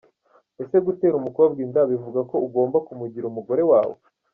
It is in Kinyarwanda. Ese gutera umukobwa inda bivuga ko ugomba kumugira umugore wawe?